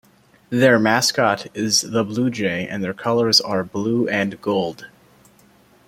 Their mascot is the Bluejay and their colors are blue and gold.